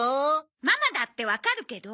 ママだってわかるけど。